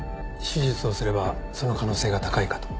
手術をすればその可能性が高いかと。